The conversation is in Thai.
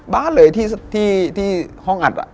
บ้านเลยที่ห้องอัด